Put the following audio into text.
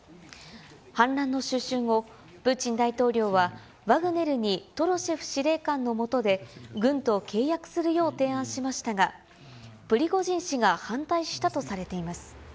反乱の収拾後、プーチン大統領は、ワグネルにトロシェフ司令官の下で軍と契約するよう提案しましたが、プリゴジン氏が反対したとされています。